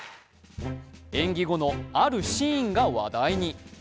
演技後のあるシーンが話題に。